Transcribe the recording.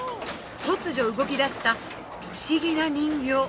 突如動きだした不思議な人形。